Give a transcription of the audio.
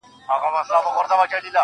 ما خو څو واره ازمويلى كنه~